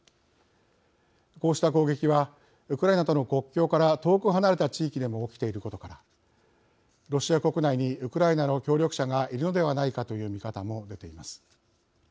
こうした攻撃はウクライナとの国境から遠く離れた地域でも起きていることからロシア国内にウクライナの協力者がいるのではないかという見方も出ています。